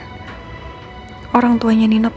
umroh ayahnya rerop